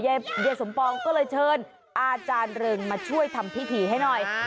ยายสมปองก็เลยเชิญอาจารย์เริงมาช่วยทำพิธีให้หน่อย